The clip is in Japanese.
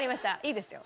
いいですよ。